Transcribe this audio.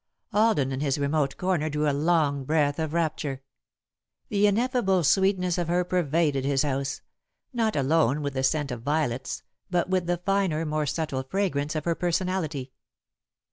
Alden, in his remote corner, drew a long breath of rapture. The ineffable sweetness of her pervaded his house, not alone with the scent of violets, but with the finer, more subtle fragrance of her personality.